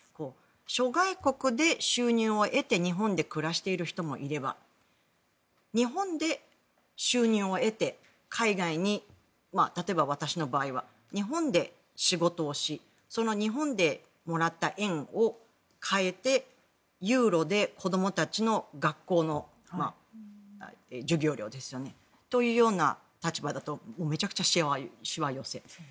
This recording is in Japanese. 諸外国で収入を得て日本で暮らしている人もいれば日本で収入を得て海外に例えば私の場合は日本で仕事をしその日本でもらった円を替えてユーロで子どもたちの学校の授業料ですよね。というような立場だとめちゃくちゃしわ寄せ。